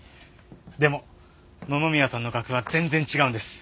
でも野々宮さんの楽譜は全然違うんです。